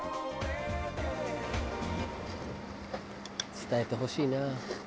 「伝えてほしいな」